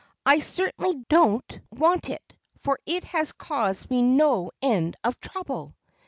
I certainly don't want it, for it has caused me no end of trouble."